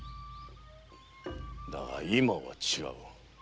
だが今は違う。